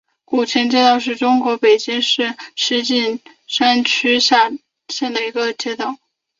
古城街道是中国北京市石景山区下辖的一个街道。